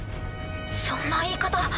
そんな言い方。